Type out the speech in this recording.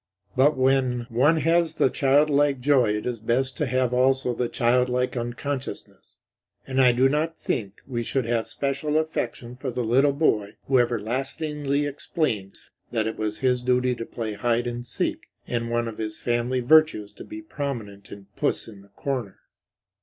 But when one has the childlike joy it is best to have also the childlike unconsciousness; and I do not think we should have special affection for the little boy who ever lastingly explained that it was his duty to play Hide and Seek and one of his family virtues to be prominent in Puss in the Corner.